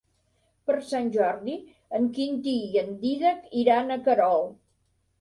Per Sant Jordi en Quintí i en Dídac iran a Querol.